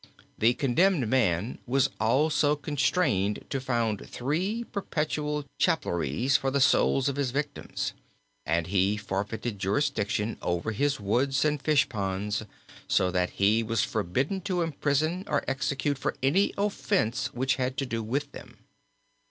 The condemned man was also constrained to found three perpetual chapelries for the souls of his victims, and he forfeited jurisdiction over his woods and fish ponds, so that he was forbidden to imprison or execute for any offense which had to do with them.